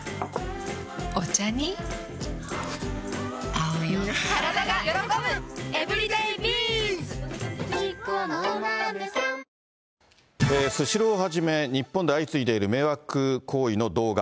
アメリカでは、スシローをはじめ、日本で相次いでいる迷惑行為の動画。